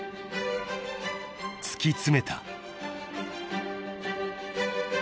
［突き詰めた］